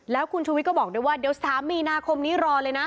แล้วคุณชูวิทย์ก็บอกด้วยว่าเดี๋ยว๓มีนาคมนี้รอเลยนะ